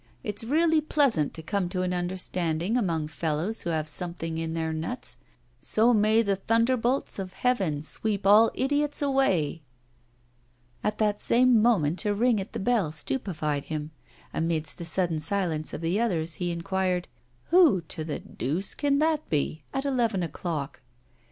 It's really pleasant to come to an understanding among fellows who have something in their nuts, so may the thunderbolts of heaven sweep all idiots away!' At that same moment a ring at the bell stupefied him. Amidst the sudden silence of the others, he inquired 'Who, to the deuce, can that be at eleven o'clock?